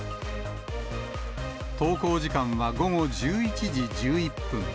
投稿時間は午後１１時１１分。